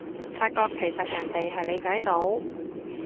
發覺其實人哋係理解到